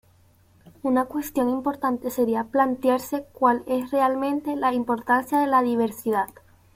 Una cuestión importante sería plantearse cuál es realmente la importancia de la diversidad.